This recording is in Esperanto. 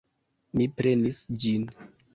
Mi prenis ĝin.